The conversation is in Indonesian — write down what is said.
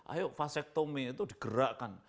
ayo vasectomy itu digerakkan